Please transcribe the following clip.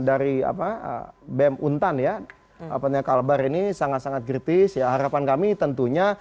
dari apa bem untan ya apanya kalbar ini sangat sangat kritis ya harapan kami tentunya